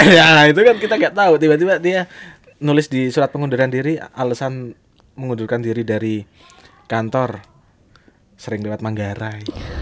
ya itu kan kita nggak tahu tiba tiba dia nulis di surat pengunduran diri alesan mengundurkan diri dari kantor sering lewat manggarai